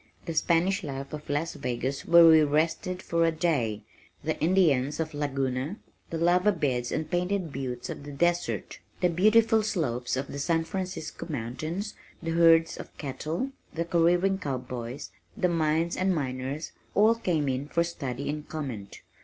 The Spanish life of Las Vegas where we rested for a day, the Indians of Laguna, the lava beds and painted buttes of the desert, the beautiful slopes of the San Francisco Mountains, the herds of cattle, the careering cowboys, the mines and miners all came in for study and comment.